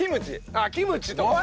あっキムチとかね。